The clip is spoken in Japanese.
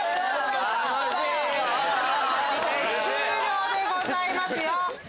終了でございますよ！